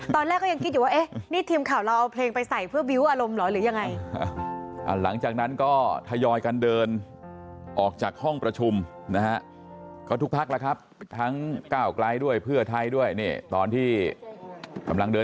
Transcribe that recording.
ตอนแรกก็ยังกินอยู่ว่าเอ๊นี่ทีมข่าวเราเอาเปลงไปใส่